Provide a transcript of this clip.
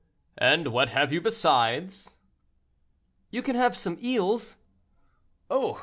"And what have you besides?" "You can have some eels." "Oh!